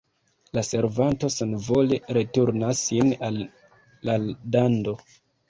La servanto senvole returnas sin al la dando.